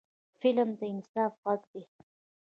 فلم د انصاف غږ دی